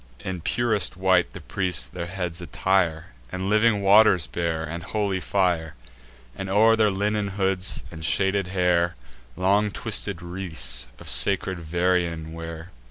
In purest white the priests their heads attire; And living waters bear, and holy fire; And, o'er their linen hoods and shaded hair, Long twisted wreaths of sacred vervain wear.